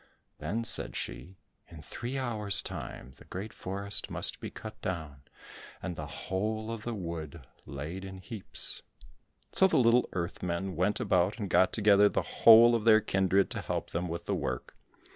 Then said she, "In three hours' time the great forest must be cut down, and the whole of the wood laid in heaps." So the little earth men went about and got together the whole of their kindred to help them with the work.